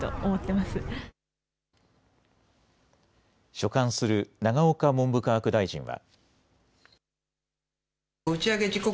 所管する永岡文部科学大臣は。